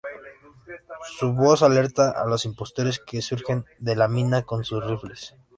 Su voz alerta a los impostores que surgen de la mina con sus rifles.